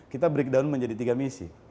kita breakdown menjadi tiga misi